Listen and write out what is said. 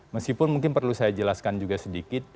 meskipun mungkin perlu saya jelaskan juga sedikit